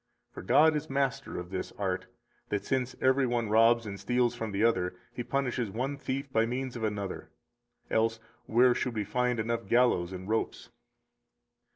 For God is master of this art, that since every one robs and steals from the other, He punishes one thief by means of another. Else where should we find enough gallows and ropes?